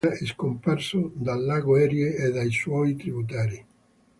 Sembra che sia scomparso dal lago Erie e dai suoi tributari.